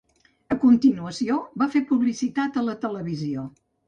A continuació, va fer publicitat a la televisió.